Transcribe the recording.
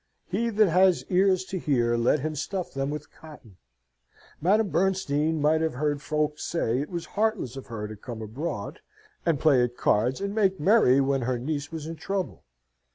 He that has ears to hear, let him stuff them with cotton. Madame Bernstein might have heard folks say it was heartless of her to come abroad, and play at cards, and make merry when her niece was in trouble.